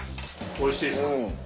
おいしいですか？